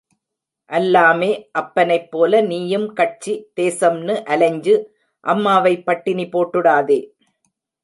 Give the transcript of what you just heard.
அல்லாமெ, அப்பனைப்போல நீயும் கட்சி, தேசம்னு அலைஞ்சு அம்மாவை பட்டினி போட்டுடாதே.